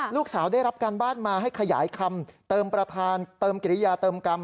ลูกสาวได้รับการบ้านมาให้ขยายคำเติมประธานเติมกิริยาเติมกรรม